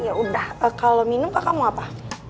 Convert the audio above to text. yaudah kalau minum kakak mau apa